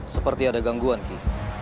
seperti ada gangguan ki